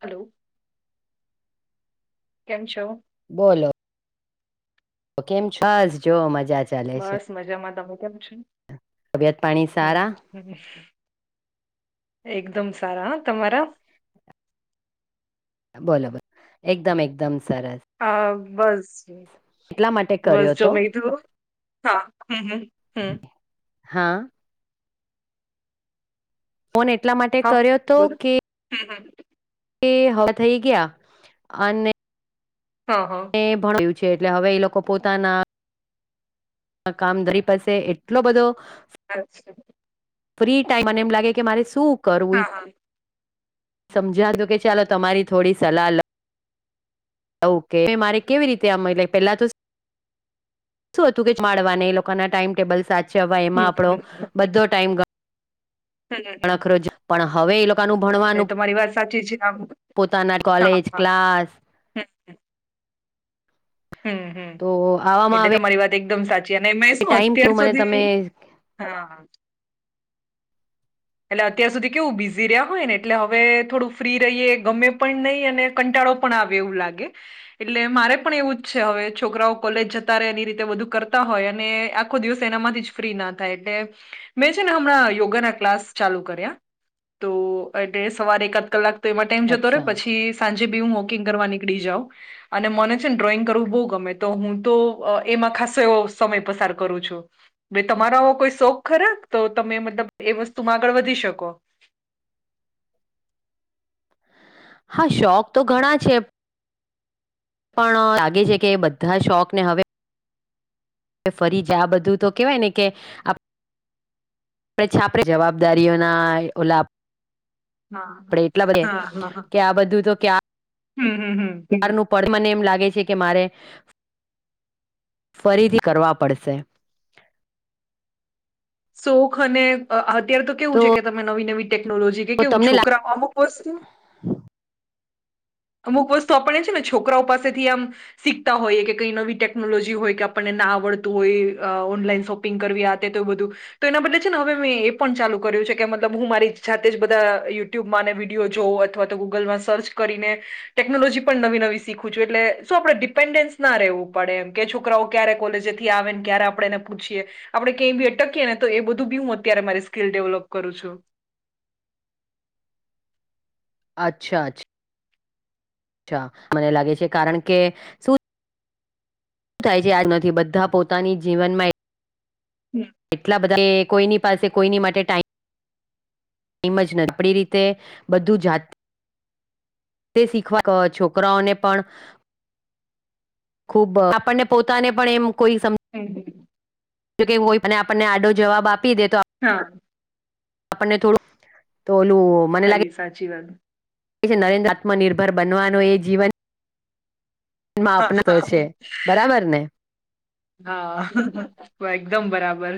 Hello કેમ છો બોલો [inaudible] છે બસ મજામાં. તમે કેમ છો? તબિયત પાણી સારા એક બોલોબર એકદમ એકદમ સરસ હા બસ એટલા માટે બસ કર્યો જો હતો મે તો. હા. હમ્મ. હમ્મ. હમ. હા ફોન એટલા માટે હા કર્યો તો બોલો કે હમ હમ એ હવા થઈ ગયા અને હા હા ભણ્યું છે એટલે હવે એ લોકો પોતાના આ કામ દરી પસે એટલો બધો અચ્છા ફ્રી ટાઈમ મને એમ લાગે કે મારે શું કરવું એ હા, હા. સમજાતું કે ચાલો તમારી થોડી સલાહ લ ઓકે, કે મારે કેવી રીતે આમ એટલે પેલા તો શું હતું કે, માડવા ને એ લોકોના ટાઈમ-ટેબલ સાચવા એમાં હમ આપડો હમ બધો ટાઈમ ગ હમ હમ હમ. અણખરોજ. પણ હવે એ લો તાનું એ ભણવાનું, તમારી વાત સાચી છે આમ પોતાના હા કોલેજ, હા ક્લાસ હમ હમ હમ, હમ. તો આવામાં એટલે હવે તમારી વાત એકદમ સા જેને મે શું ટાઈમ અત્યાર કેવું મને તમે સુધી હા એટલે અત્યાર સુધી કેવું બિઝી રહ્યા હોય ને એટલે હવે થોડું ફ્રી રહીએ ગમે પણ નહીં અને કંટા આવે એવું લે એટલે મારે પણ એવું જ છે હવે છોકરાઓ કોલેજ જતા રે એની રીતે કર હોય અને આખો દિવસ એના માંથી જ ફ્રી ના થાય એટલે મેં છે ને હમણાં યોગા ના ક્લાસ ચાલુ કર્યા તો એટલે સવારે એકાદ કલાક તો એમાં ટાઈમ જતો અચ્છા રહેે પછી સાંજે જ બી હું વોકિંગ કરવા નીકળી જાઉં અને મને છે ને ડ્રોઈંગ કરવું બહુ ગમે તો હું તો એ ખાસો એવો સમય પસાર કરું છું બે તમારો કોઈ શોખ ખરા તો તમે મતલબ એ વસ્તુ તુમ આગળ વધી શકો હા શોખ તો ઘણા છે પણ લાગે છે કે બધા શોખને હવે વે ફરી જ, આ બધું તો કેહેવાય ને કે આપ પ્રે છાપરે જવાબદારીઓના ઓલા હા આપડે એટલા બ કે હા હા કે આ બધું તો ક્યા હમ, હમ, હમ. [unintelligible] નું પડ. એ મને એમ લાગે છે કે મારે ફરીથી કરવા પડશે. શોખ અને અ-અત્યારે તો કેવું છે કે તમે નવી-નવી ટેકનોલોજી કે કેવું તમને લાગ છોકરાઓ અમુક વસ્તુ અમુક વસ્તુ આપણે છે ને છોકરાઓ પાસેથી આમ શીખતા હોઈએ કે, કઈ નવી ટેકનોલોજી હોય કે આપણને ના આવડતું હોય, અ ઓનલાઈન શોપિંગ કરવી આ તે તેવુ બધું. તો એના બદલે છે ને હવે મેં એ પણ ચાલુ કર યુ છે કે, મતલબ હું મારી જાતે જ બધા યુટ્યુબમાં ને વિડીયો જોઉં અથવા તો ગૂગલમાં સર્ચ કરીને ટેકનોલોજી પણ નવી-નવી શીખું છું એટલે શું આપડે ડિપેન્ડન્સ ના રહેવું પડે એમ કે છોકરાઓ ક્યારે કોલેજેથી આવેન ક્યારે આપડે એને પૂછીએ. આપડે કંયય બી અટકીએ ને તો એ બધું બી હું અત્યારે મારી સ્કિલ ડેવલોપ કરું છું. અચ્છા, અચ્છા. અચ્છા, મને લાગે છે કારણ કે શું [unintelligible] થાય છે આજ નથી. બધા પોતાની જીવનમાં હમ એટલા બધા એ કોઈની પાસે કોઈની માટે ટાઈમ ઈમ જ ન આપડી રીતે બધું જાત તે શીખવા ક છોકરાઓને પણ ખુબ આપડને પોતાને પણ એમ કોઈ સમ, હમ હમ. જોકે એવુ હોય અને આપડને આડો જવાબ આપી દે તો હા આપડને થોડું, તો ઓલું મને લાગે તારી સાચી વાત. એ શે, નરેન્દ્ર આત્મનિર્ભર બનવાનો એ જીવન હા માપના તો છે. બરાબરને? હઅ, [unintelligible] એકદમ બરાબર.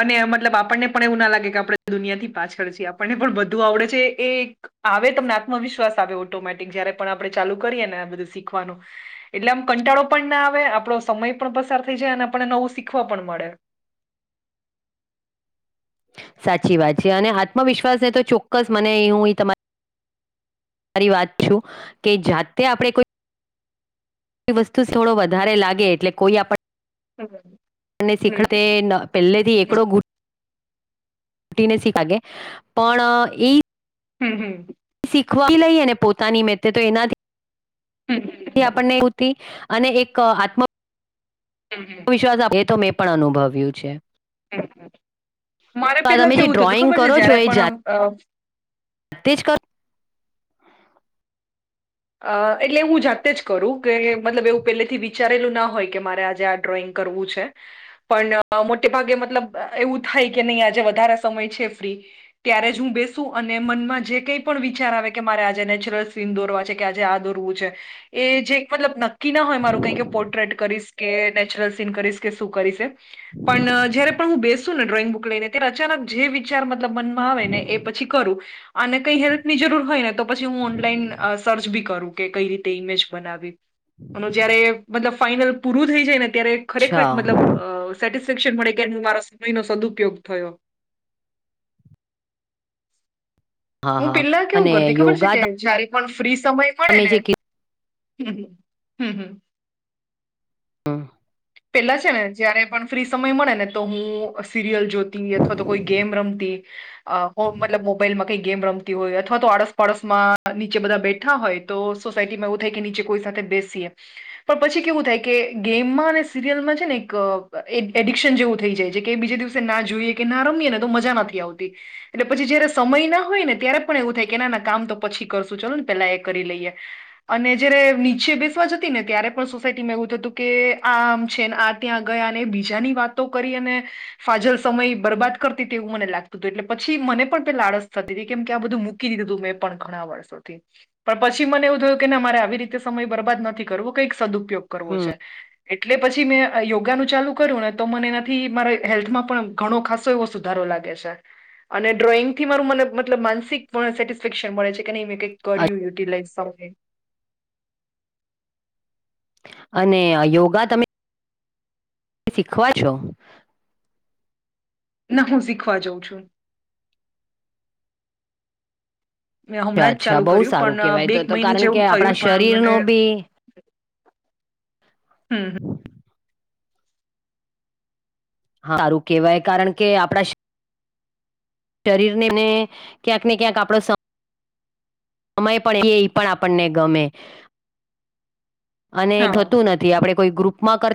અને મતલબ આપણને પણ એવું ના લાગે કે આપડે દુનિયાથી પાછળ છીએ. આપણને પણ બધું આવડે છે, એક આવે તમને આત્મવિશ્વાસ આવે ઓટોમેટિક જયારે એ પણ આપડે ચાલુ કરીએ ને બધું શીખવાનું. એટલે આમ કંટાળો પણ ના આવે, આપડો સમય પણ પસાર થઈ જાય ને આપડને નવું શીખવા પણ મળે. સાચી વાત છે અને આત્મવિશ્વાસને તો ચોક્કસ મને હું તમારી આરી વાત છું કે જાતે આપણે કોઈ એ વસ્તુ થોડો વધારે લાગે એટલે કોઈ આપણ [inaudible] ને હમ શીખડ તે પહેલેથી એકડો ગૂટ ટીને શીખાગે પણ ઈ હમ્મ હમ્મ. શીખવા થી લઈ અને પોતાની મેતે તો એનાથી હમ આપણને ઉતિ અને એક આત્મ હમ વિશ્વાસ એ તો મેં પણ અનુભવ્યું છે. હમ્મ હ. મારે તો આ પેલા તમે જે કેવું થતું ડ્રોઈંગ ખબર છે, કરો છો જયારે એ પણ અમ અ જાતે જ કરો અ એટલે હું જાતે જ કરું કે, મતલબ એવું પેલેથી બી ચારેલું ન હોય કે મારે આજે આ ડ્રોઈંગ કરવું છે. પણ મોટે ભાગે મતલબ અ એવું થા થાઈ કે નઈ આજે વધારે સમય છે ફ્રી, ત્યારે જ હું બેસું અને મનમાં જે કઈ પણ વિચાર આવે કે મારે આજે નેચરલ સીન દોરવા છે કે આજે આ દોરવું છે, એ જે મતલબ નક્કી ન હોય મારું કઈ કે પોર્ટ્રેટ કરીશ કે નેચરલ સીન કરીશ કે શું કરીશ એમ. પણ જ્યારે પણ હું બેસ શું ને ડ્રોઈંગ બુક લઈને તે અચાનક જે વિચાર મતલબ મનમાં આવે ને એ પછી કરું. અને કઈ હેલ્પની જ જરૂર હોય ને તો પછી હું ઓનલાઈન અ સર્ચ બી કરું કે કઈ રીતે ઇમેજ બનાવી. અન જ્યારે મતલબ ફાઈનલ પૂરું થઈ જાય ને ત્યારે ખરેખરે મતલબ અચ્છા અ સેટિસ ફેક્શન મળે કે મારા સમય નો સદુપયોગ થયો. [inaudible] હું હા પેલા કેવું અને કરતી ખબર છે યોગા કે જયારે પણ ફ્રી સમય મળે તમે ને જે હમ્મ હમ્મ હમ્મ. કીધું પેલા છે ને જયારે પણ ફ્રી સમય મળે ને તો હું સિરિયલ જોતી અથવા તો કોઈ ગેમ રમતી મતલબ મોબાઈલમાં કઈ ગેમ રમતી હોય અથવા તો આડોસ પાડસ માં નીચે બધા બેઠા હોય તો સોસાયટીમાં એવું થાય કે નીચે કોઈ સાથે બેસીએ પણ પછી કેવું થાય કે ગેમમાં અને સિરિયલમાં છે ને એક એડિક્શન જેવું થઈ જાય છે કે બીજે દિવસે ના જોઈએ કે ના રમીએ ને તો મજા નથ ઈ આવતી એટલે પછી જયારે સમય ના હોય ને ત્યારે પણ એવું થાય કે નાના કામ તો પછી કરશું ચાલો ને પેલા એ ક રિ લઈએ અને જ્યારે નીચે બેસવા જતિ ને ત્યારે પણ સોસાયટીમાં એવું થ હતું કે આ છે આ ત્યાં ગયા અને એ બીજાની વાતો કરી અને ફાજલ સમય બરબાદ કરતી તેવું મને લાગ તું તું એટલે પછી મને પણ પેલા આળસ થતી તી કેમ કે આ બધું મૂકી દીધું હતું મેં પણ ઘણા વર્ષોથી પણ પ છી મને એવું થયું કે ના મારે આવી રીતે સમય બરબાદ નથી કરવો કંઈક સદુપયોગ કરવો હમ છે. એટલે પછી મેં યોગાનું ચાલુ કરૂ ને તો મને એનાથી મારા હેલ્થમાં પણ ઘણો ખાસો એવો સુધારો લાગ અને ડ્રોઈંગ થી મારુ મન મતલબ માનસિક સેટિસ્ફેક્શન મળે છે કે નઈ મેં કંઈક કર્યું યુટિલાઈઝ સમ અને યોગા તમે તે શીખવા છો. ના હું શીખવા જઉં છું. મેં અચ્છા હમણાં જ અચ્છા ચાલુ બહુ કર્યું સારું પણ અ, બે કેવાય એક તો મહિને કારણ કે જેવું આપણા થયું પણ શરીર મને નો બી હમ્મ. હા સારું કેવાય કારણ કે આપણા શ શરીરને અને ક્યાંક ને ક્યાંક આપણો સ આમય પણ કે એ પણ આપણને ગમે. અને હા ગતું નથી આપણે કોઈ ગ્રુપમાં કર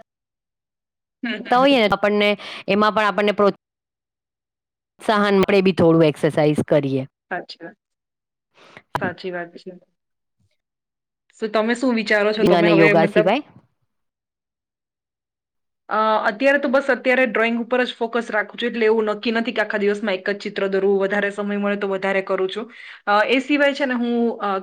હમ તા હમ હોઈએ હમ. આપણને એમાં પણ આપણને પ્રોત્સાહન મળે બી થોડું એક્સરસાઇઝ કરીએ સાચી વાત સાચી વાત છે શું તમે શું વિચારો છો બિંગ તમે અને હવે યોગા મતલબ સિવાય અ અત્યારે તો બસ અત્યારે ડ્રોઈંગ ઉપર જ ફોકસ રાખું છું એટલે એવું નક્કી નથી કે આખા દિવસમાં એક જ ચિત્ર વધ સમય મળે તો વધ કરું છું એ સિવાય છે ને હું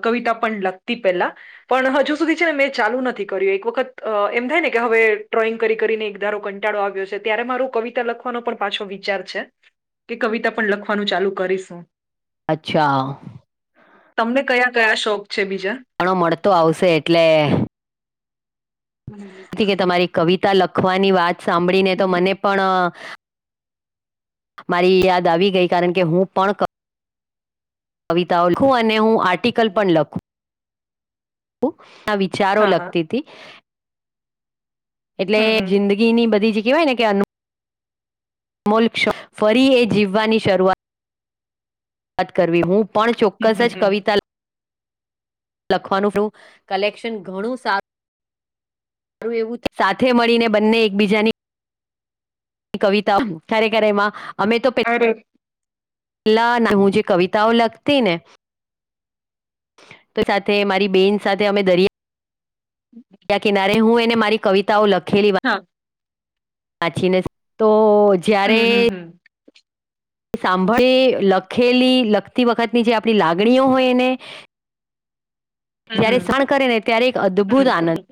કવિતા પણ લખતી પ હજુ સુધી છે ને મેં ચાલુ નથી કર્યું એક વખત એમ થાય ને કે હવે ડ્રોઈંગ ને એક ધારો કંટાળો આવ્યો છે ત્યારે મારો કવિતા લખવાનો પણ પાછો વિચાર છે કે કવિતા પણ લખવાનું ચાલુ કરીશું અચ્છા ગયા શોપ ઘણો મળતો આવશે એટલે થી કે તમારી કવિતા લખવાની વાત સાંભળીને તો મને પણ મારી યાદ આવી ગઈ કારણ કે હું પણ કવિતાઓ લખું અને હું આર્ટિકલ પણ લખું ના વિચારો હા લગતી હા હતીથી એટલે હમ હમ જિંદગીની બધી જ કહેવાય ને કે અનુ અમોલ ફરી એ જીવવાની શરૂઆતઆત કરવી હું પણ હમ ચોક્કસ હમ જ હમ કવિતા લખવાનું શું કલેક્શન ઘણું સારું મારું એવું સાથે મળીને બંને એકબીજાની કવિતા ક્યારે ક્યારે એમાં અમે તો અરે પેલા હું જે કવિતાઓ લખતી ને તો સાથે મારી બેન સાથે અમે દરિયા દરિયા કિનારે હું મારી કવિતાઓ લખેલી હા વાચીને તો હમ હમ હમ એ સાંભળી લખેલી લખતી વખતની જે આપણી લાગણીઓ હોય એને હમ જ્યારે હમ શષણ કરે ને ત્યારે એક અદ્ભુત હમ આનંદ હમ.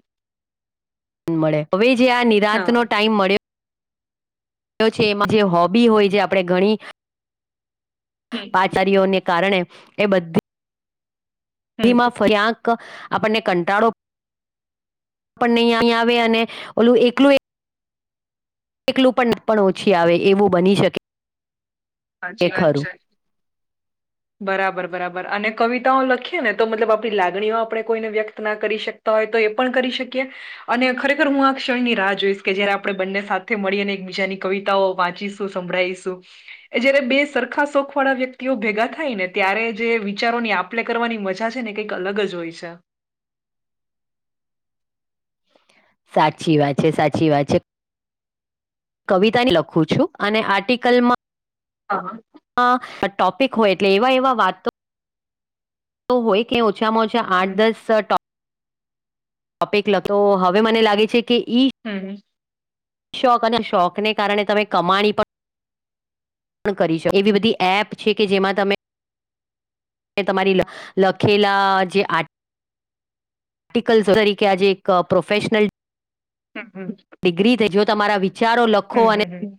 મળે હવે જે આ નિરાંત હા. નો ટાઈમ મળે છે એમાં જે હોબી હોય જે આપણે ઘણી હમ પાચારીઓને કારણે એ બધી હમ પીમાં ફરી્યાંક આપણને કંટાળો આપણને અ અહી આવે અને ઓલું એકલું એકલું પણ ના પણ ઓછી આવે એવું બની શકે એ સાચી વાત ખરું છે બરાબર બરાબર અને કવિતાઓ લખીએ ને તો મતલબ આપણી લાગણીઓ આપણે કોઈને વ્યક્ત ના કરી શકતા એ પણ કરી શકીએ અને ખરેખર હું આ ક્ષણની રાહ જોઈશ કે જયારે આપણે બંને સાથે મળીને બીજાની કવિતાઓ વાંચીશું સંભળીશું જયારે બે સરખા શોખ વાળા વ્યક્તિઓ ભેગા થ થાય ને ત્યારે જે વિચારોની આપલે કરવાની મજા છે ને કંઈક અલગ જ હોય છે [unintelligible] સાચી વાત છે સાચી વાત છે કવિતાની લખું છું અને આર્ટિકલમાં હા હા ટોપિક હોય એટલે એવા એવા વાતો તો હોય કે ઓછામાં ઓછા આઠ હમ દસ ટો ટોપિક તો હવે મને લાગે છે કે હમ શોખ અને શોખને કારણે તમે કમાણી પણ પણ કરી શકો એવી બધી એપ છે કે જેમાં તમે તમારી લખેલા જે આ આર્ટિકલ્સ તરીકે આજે એક પ્રોફેશનલ હમ હમ ડિગ્રીથી જો તમારા વિચારો લખો અને હમ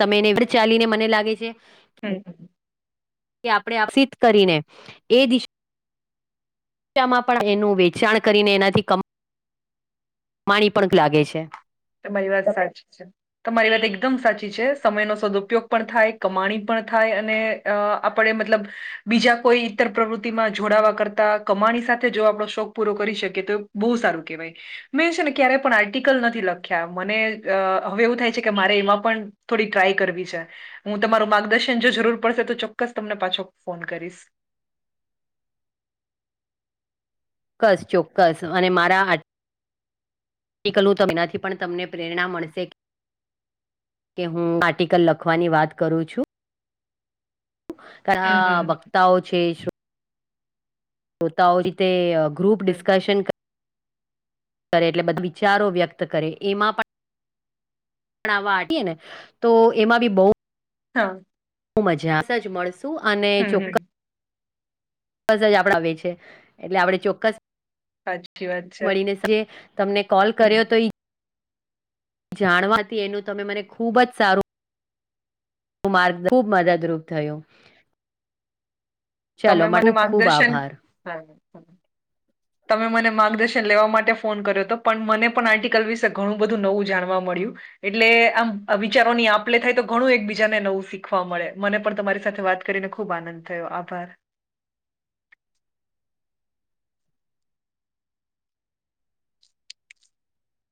તમે એને એવત ચાલી ને મને લાગે છે હમ હ તે આપણે આપસિત કરીને એ દિશા બચામાં પણ એનું વેચાણ કરીને એનાથી કમ માણી પણ લાગે છે તમારી વાત સાચી છે તમારી વાત એકદમ સાચી છે સમય ન સદઉપયોગ પણ થાય કમાણી પણ થ આપણે મતલબ બીજા કોઈ ઈતર પ્રવૃતિમાં જોડાવા કરતા કમાડ સાથે આપો શોખ પૂરો કરી શકી તો બ સારું કેવાય મેન છે ને ક્યારેય પણ આર્ટિકલ નથી લાગત મનેહવે એવું થાય છે કે મારે એમાં પણ થોડી ટ્રાય કરવી છે હું તમારું માર્ગદર્શન જો જરૂર પડશે તો ચોક્કસ તમને પાછો ફોન કરીશ [inaudible] ચોક્કસ ચોક્કસ અને મારા આટ પ્રક્ટિકલું તોનાથી પણ તમને પ્રેરણા મળશે કે હું આર્ટિકલ લખવાની વાત કરું છું શ હમ ઘણા હમ વક્તાઓ છે શું તોતાઓ રીતે ગ્રુપ હમ ડિસ્કશન કર કરે એટલે બધા વિચારો વ્યક્ત કરે એમાં પણ વાએ ને તો એમાં બી બહ હા બુ મજાજ મળશું અને હમ હમ ચોક્કસ બસ જ આપડે આવે છે એટલે આપડે ચોક્કસ સાચી વાત છે મળીને જે તમને કોલ કર્યો હમ. તો જાણવાથી એનું તમે મને ખૂબ જ સારું માર્ગ ખૂબ મદદરૂપ થયો તમે મને માર્ગદર્શન હા તમે મને માર્ગદર્શન લેવા માટે ફોન કર્યો હતો પણ મને પણ આર્ટિકલ વિશે ઘણું બધું નવું જાણવા મળ્યું એટલે આમ વિચારોની આપલે થાય તો ઘણું એક બીજાને નવું શીખવા મળે મને પણ તમારી સાથે વાત કરીને ખુબ આનંદ થયો આભાર [inaudible]